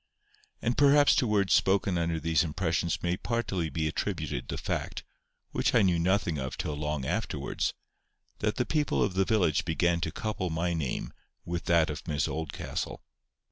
And perhaps to words spoken under these impressions may partly be attributed the fact, which I knew nothing of till long afterwards, that the people of the village began to couple my name with that of Miss Oldcastle.